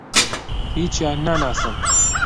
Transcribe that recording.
هیچیان ناناسم.